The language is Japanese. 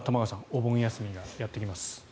お盆休みがやってきます。